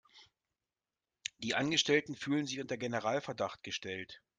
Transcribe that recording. Die Angestellten fühlen sich unter Generalverdacht gestellt.